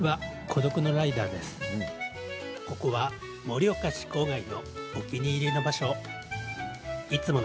ここは盛岡市郊外のお気に入りの場所。